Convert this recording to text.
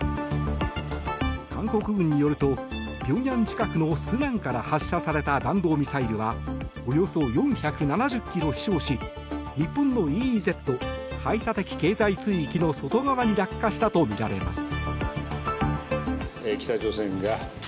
韓国軍によると平壌近くのスナンから発射された弾道ミサイルはおよそ４７０ｋｍ飛翔し日本のＥＥＺ・排他的経済水域の外側に落下したとみられます。